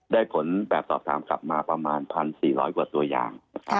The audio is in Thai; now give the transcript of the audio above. ได้ผลแบบสอบถามกลับมาประมาณ๑๔๐๐กว่าตัวอย่าง